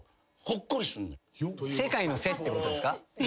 世界の「世」ってことですか？